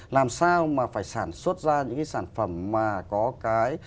làm sao mà phải sản xuất ra những cái sản phẩm mà có cái